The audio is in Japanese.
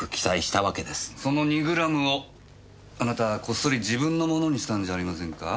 その２グラムをあなたはこっそり自分のものにしたんじゃありませんか？